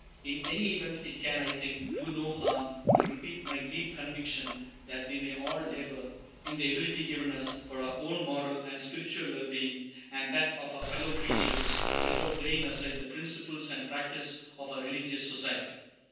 In any event, it can, I think, do no harm to repeat my deep conviction that we may all labor, in the ability given us, for our own moral and spiritual well being, and that of our fellow creatures, without laying aside the principles and practice of our religious Society.